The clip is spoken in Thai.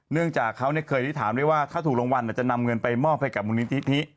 เนื่องจากเขาเนี่ยเคยถามได้ว่าถ้าถูกรางวัลจะนำเงินไปมอบไปกับมูลนิธินี้